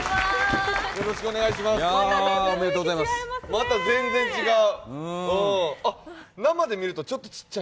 また全然違う。